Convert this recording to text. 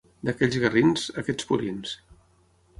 D'aquells garrins, aquests purins.